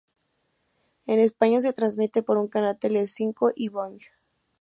En España se transmite por un canal Telecinco y Boing.